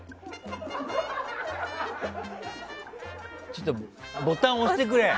ちょっと、ボタン押してくれ。